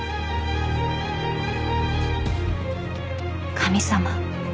［神様。